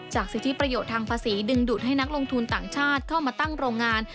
สิทธิประโยชน์ทางภาษีดึงดูดให้นักลงทุนต่างชาติเข้ามาตั้งโรงงาน